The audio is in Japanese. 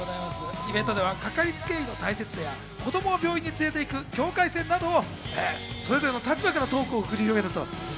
イベントではかかりつけ医の大切さや子供を病院に連れて行く境界線などをそれぞれの立場からトークを繰り広げたということです。